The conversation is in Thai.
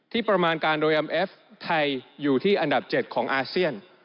ประมาณการโดยแอมเอฟไทยอยู่ที่อันดับ๗ของอาเซียน